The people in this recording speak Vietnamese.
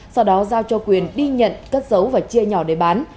sau đó giao cho quyền đi nhận cất dấu và chia nhỏ để bán